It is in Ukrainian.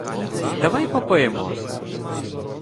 — Давай попоїмо?